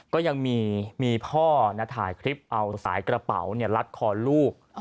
ก็ยังมีพ่อถ่ายคลิปเอาสายกระเป๋าลัดคอลูก